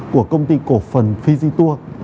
của công ty cổ phần fiditur